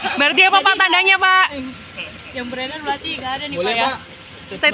hai berarti apa tandanya pak yang beredar berarti ada nih saya teman teman sedikit